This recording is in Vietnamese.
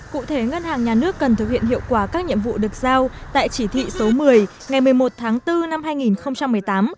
cụ thể ngân hàng nhà nước cần thực hiện hiệu quả các nhiệm vụ được giao tại chỉ thị số một mươi ngày một mươi một tháng bốn năm hai nghìn một mươi tám